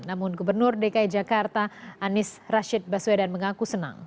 namun gubernur dki jakarta anies rashid baswedan mengaku senang